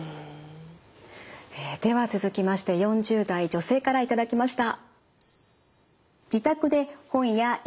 では続きまして４０代女性から頂きました。